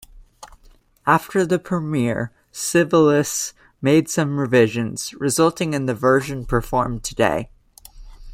After the premiere, Sibelius made some revisions, resulting in the version performed today.